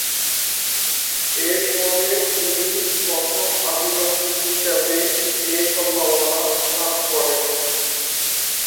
এরফলে তিনি প্রথম আদিবাসী হিসেবে এ সম্মাননা লাভ করেন।